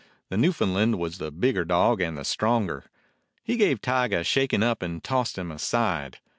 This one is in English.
The Newfoundland was the bigger dog and the stronger. He gave Tige a shaking up and tossed him aside.